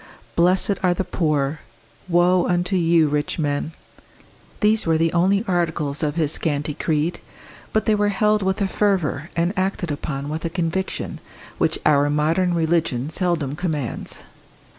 "Blessed are the poor" "Woe unto you, rich men" these were the only articles of his scanty creed, but they were held with a fervour, and acted upon with a conviction, which our modern religion seldom commands.